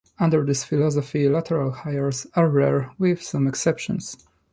Under this philosophy, lateral hires are rare, with some exceptions.